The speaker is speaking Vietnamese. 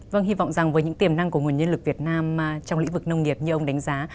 vâng hy vọng rằng với những tiềm năng của nguồn nhân lực việt nam trong lĩnh vực nông nghiệp như ông đánh giá